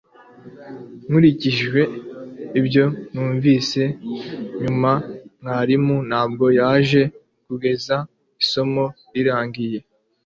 Nkurikije ibyo numvise nyuma, mwarimu ntabwo yaje kugeza isomo rirangiye